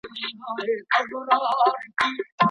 د سیاسي ډیپلوماسۍ په چوکاټ کي د وګړو د کار حقونه نه تضمین کیږي.